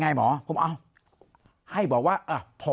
เสียชีวิต